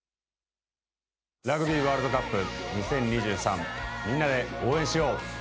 ラグビーワールドカップ２０２３、みんなで応援しよう！